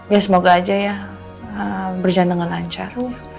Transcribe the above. ya semoga aja ya berjalan dengan lancar